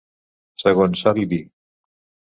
Segons Sallie B.